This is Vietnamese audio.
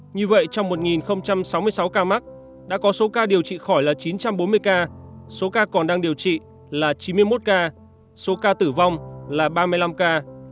như vậy trong một sáu mươi sáu ca mắc đã có số ca điều trị khỏi là chín trăm bốn mươi ca số ca còn đang điều trị là chín mươi một ca số ca tử vong là ba mươi năm ca